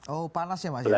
oh panas ya mbak tiffany